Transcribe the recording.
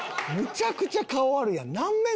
むちゃくちゃ顔あるやん！